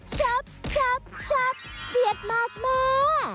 ขาชับเตียดมากแม่